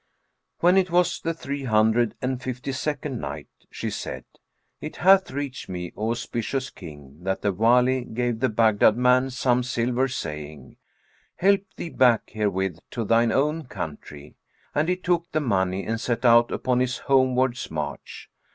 When It was the Three Hundred and Fifty second Night, She said, It hath reached me, O auspicious King, that the Wali gave the Baghdad man some silver, saying, "Help thee back herewith to thine own country;" and he took the money and set out upon his homewards march.